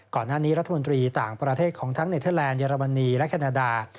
ก่อนหน้านี้รัฐมนตรีต่างประเทศของทั้งเนเทอร์แลนดเรมนีและแคนาดา